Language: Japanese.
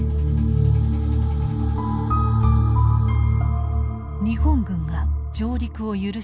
日本軍が上陸を許した翌日。